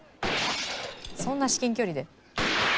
そんな至近距離で。